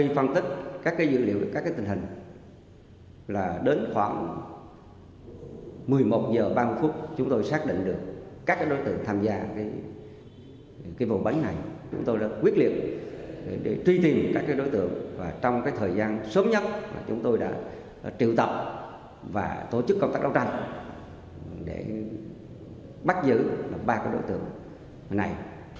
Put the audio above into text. trong thời gian sớm nhất chúng tôi đã triều tập và tổ chức công tác đấu tranh để bắt giữ ba đối tượng này